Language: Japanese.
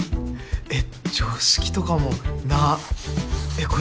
えっ常識とかもなえっこい